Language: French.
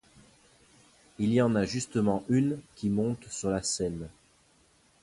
Il y en a justement une qui monte sur la scène.